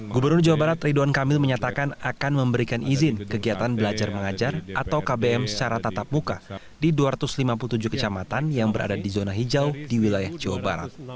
gubernur jawa barat ridwan kamil menyatakan akan memberikan izin kegiatan belajar mengajar atau kbm secara tatap muka di dua ratus lima puluh tujuh kecamatan yang berada di zona hijau di wilayah jawa barat